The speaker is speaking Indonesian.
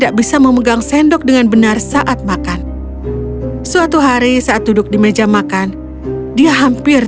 aku akan mulai mandi